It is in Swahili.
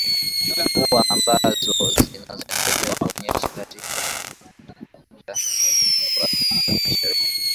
mvua ambazo zinaendelea kunyesha katika ukanda wa afrika mashariki